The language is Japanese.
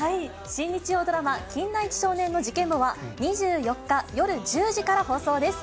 新日曜ドラマ、金田一少年の事件簿は、２４日夜１０時から放送です。